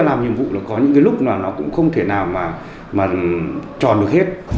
làm nhiệm vụ là có những cái lúc là nó cũng không thể nào mà tròn được hết